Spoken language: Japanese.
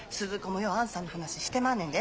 もようあんさんの話してまんねんで。